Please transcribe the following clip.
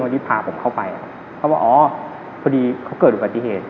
คนที่พาผมเข้าไปเขาบอกว่าพอดีเขาเกิดอุบัติเหตุ